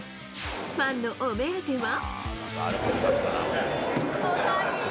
ファンのお目当ては。